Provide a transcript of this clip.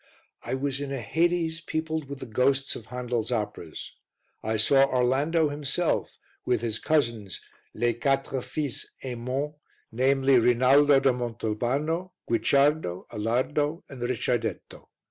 I was in a hades peopled with the ghosts of Handel's operas. I saw Orlando himself and his cousins "Les quatre fils Aymon," namely Rinaldo da Montalbano, Guicciardo, Alardo, and Ricciardetto.